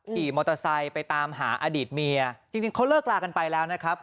ขี่มอเตอร์ไซค์ไปตามหาอดีตเมียจริงเขาเลิกลากันไปแล้วนะครับ